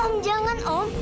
om jangan om